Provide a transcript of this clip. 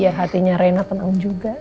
biar hatinya rena tenang juga